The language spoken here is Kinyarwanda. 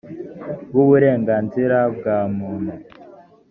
w uburenganzira bwa muntu